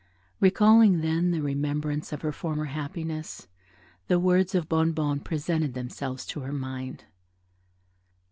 Recalling then the remembrance of her former happiness, the words of Bonnebonne presented themselves to her mind.